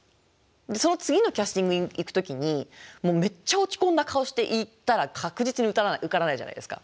その次のキャスティングに行く時にめっちゃ落ち込んだ顔して行ったら確実に受からないじゃないですか。